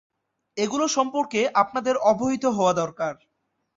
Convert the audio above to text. এগুলো সম্পর্কে আপনাদের অবহিত হওয়া দরকার।